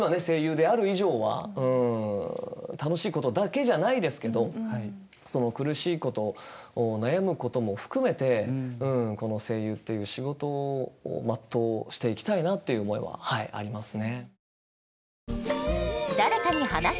声優である以上は楽しいことだけじゃないですけどその苦しいこと悩むことも含めてこの声優っていう仕事を全うしていきたいなっていう思いはありますね。